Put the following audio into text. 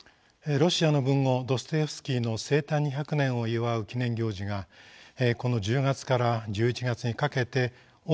ロシアの文豪ドストエフスキーの生誕２００年を祝う記念行事がこの１０月から１１月にかけて大きな山場を迎えました。